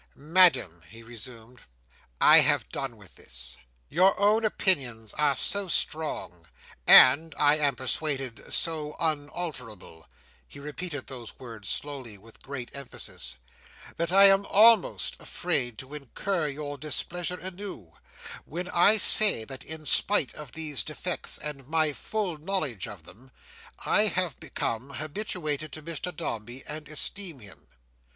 "Madam," he resumed, "I have done with this. Your own opinions are so strong, and, I am persuaded, so unalterable," he repeated those words slowly and with great emphasis, "that I am almost afraid to incur your displeasure anew, when I say that in spite of these defects and my full knowledge of them, I have become habituated to Mr Dombey, and esteem him.